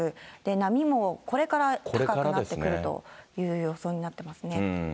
波もこれから高くなってくるという予想になってますね。